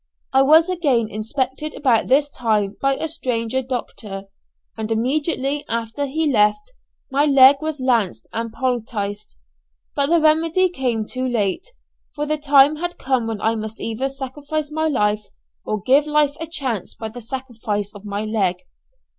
I was again inspected about this time by a stranger doctor, and immediately after he left, my leg was lanced and poulticed. But the remedy came too late, for the time had come when I must either sacrifice my life, or give life a chance by the sacrifice of my leg.